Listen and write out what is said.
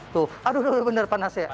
tuh aduh bener panas ya